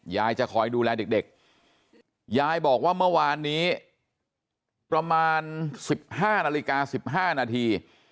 ยายจะคอยดูแลเด็กยายบอกว่าเมื่อวานนี้ประมาณ๑๕นาฬิกา๑๕นาที